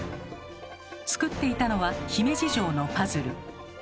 作っていたのは姫路城のパズル。